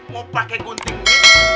mau pakai gunting ini